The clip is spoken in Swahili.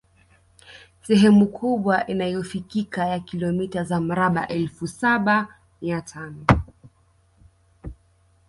Sehemu kubwa inayofikika ya kilomita za mraba elfu saba mia tano